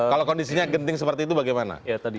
kalau kondisinya genting seperti itu bagaimana